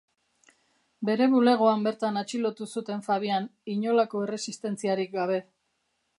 Bere bulegoan bertan atxilotu zuten Fabian, inolako erresistentziarik gabe.